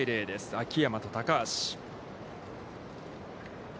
秋山と高橋。